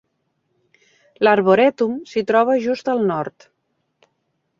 L'arborètum s'hi troba just al nord.